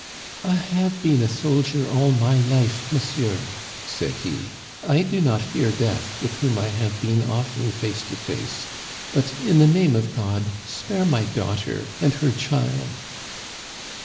" I have been a soldier all my life, monsieur," said he. " I do not fear death, with whom I have been often face to face, but, in the name of God, spare my daughter and her child